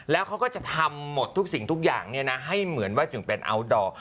แล้วเขาก็จะทำหมดทุกสิ่งทุกอย่างให้เหมือนว่าถึงเป็นอัลดอร์